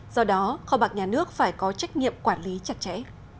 do đó kho bạc nhà nước phải có trách nhiệm quản lý chặt chẽ